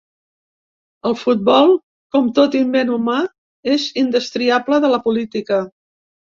El futbol, com tot invent humà, és indestriable de la política.